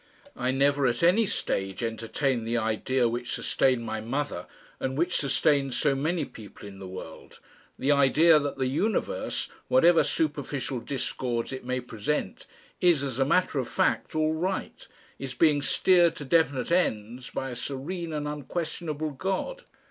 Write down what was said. I never at any stage entertained the idea which sustained my mother, and which sustains so many people in the world, the idea that the universe, whatever superficial discords it may present, is as a matter of fact "all right," is being steered to definite ends by a serene and unquestionable God.